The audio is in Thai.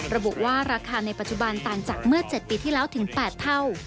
ระบุว่าราคาในปัจจุบันต่างจากเมื่อ๗ปีที่แล้วถึง๘เท่า